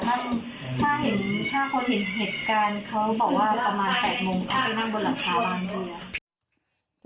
เขาบอกว่าประมาณ๘โมงเขาจะนั่งบนหลังคาบ้านด้วย